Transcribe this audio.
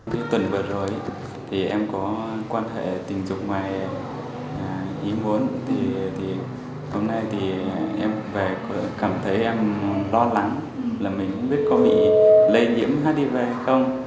tuần vừa rồi thì em có quan hệ tình trục ngoài y môn thì hôm nay thì em về cảm thấy em lo lắng là mình không biết có bị lây nhiễm hiv hay không